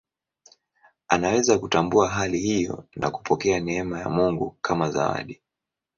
Anaweza kutambua hali hiyo na kupokea neema ya Mungu kama zawadi.